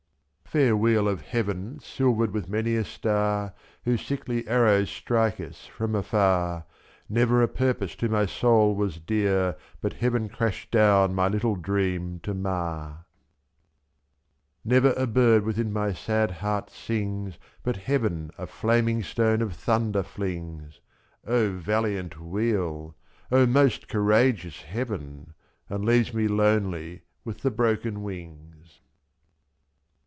Fair wheel of heaven silvered with many a star, Whose sickly arrows strike us from afar, /^^. Never a purpose to my soul was dear But heaven crashed down my little dream to mar. Never a bird within my sad heart sings But heaven a flaming stone of thunder flings —/^^. O valiant wheel! O most courageous heaven! — And leaves me lonely with the broken wings.